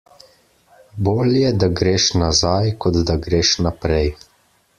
Bolje, da greš nazaj, kot da greš naprej.